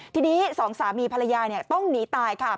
ทีนี้สองสามีภรรยาต้องหนีตายค่ะ